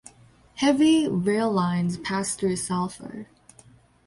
Heavy rail-lines pass through Salford.